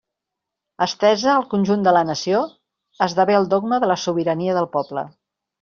Estesa al conjunt de la nació, esdevé el dogma de la sobirania del poble.